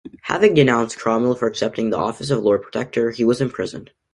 Having denounced Cromwell for accepting the office of Lord Protector, he was imprisoned.